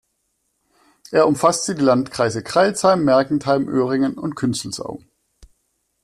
Er umfasste die Landkreise Crailsheim, Mergentheim, Öhringen und Künzelsau.